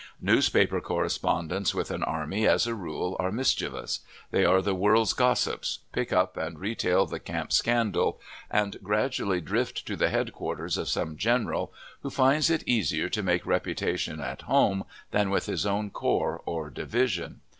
Newspaper correspondents with an army, as a rule, are mischievous. They are the world's gossips, pick up and retail the camp scandal, and gradually drift to the headquarters of some general, who finds it easier to make reputation at home than with his own corps or division.